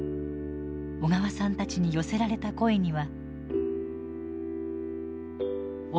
小川さんたちに寄せられた声には。